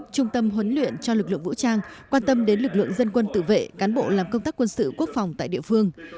trung tâm huấn luyện cho lực lượng vũ trang quan tâm đến lực lượng dân quân tự vệ cán bộ làm công tác quân sự quốc phòng tại địa phương